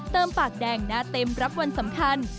ปากแดงหน้าเต็มรับวันสำคัญ